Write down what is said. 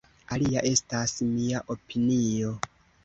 Alia estas mia opinio.